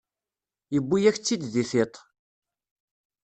Yewwi-yak-tt-id di tiṭ.